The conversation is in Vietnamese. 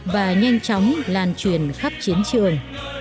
và nhanh chóng lan truyền khắp chiến trường